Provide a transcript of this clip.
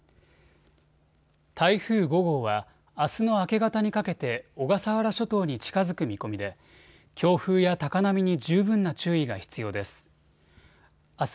台風５号は、あすの明け方にかけて小笠原諸島に近づく見込みで強風や高波に十分な注意が必要です。